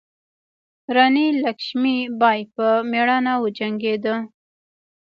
راني لکشمي بای په میړانه وجنګیده.